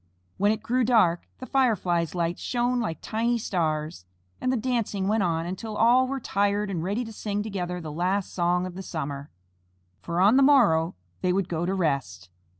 When it grew dark, the Fireflies' lights shone like tiny stars, and the dancing went on until all were tired and ready to sing together the last song of the summer, for on the morrow they would go to rest.